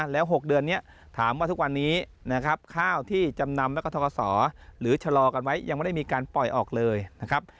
แล้ว๖เดือนนี้ถามว่าทุกวันนี้นะครับข้าวที่จำนำแล้วก็ทกศหรือชะลอกันไว้ยังไม่ได้มีการปล่อยออกเลยนะครับ